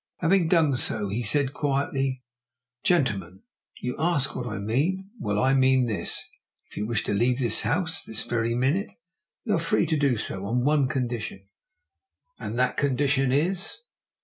Having done so, he said quietly, "Gentlemen, you ask what I mean? Well, I mean this if you wish to leave this house this very minute, you are free to do so on one condition!" "And that condition is?"